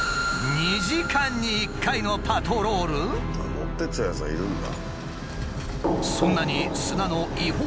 持っていっちゃうやつがいるんだ。